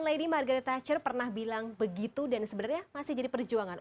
lady margaret thatcher pernah bilang begitu dan sebenarnya masih jadi perjuangan